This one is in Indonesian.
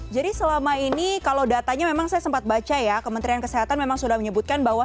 jadi selama ini kalau datanya memang saya sempat baca ya kementerian kesehatan memang sudah menyebutkan bahwa